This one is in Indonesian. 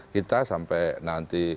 kita sampai nanti